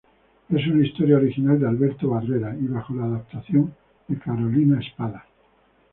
Es una historia original de Alberto Barrera y bajo la adaptación de Carolina Espada.